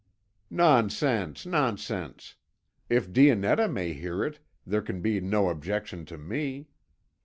"Nonsense, nonsense! If Dionetta may hear it, there can be no objection to me.